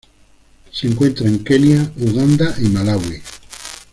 Se encuentra en Kenia, Uganda y Malaui.